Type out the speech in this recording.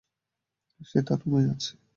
সে তার রুমেই আছে।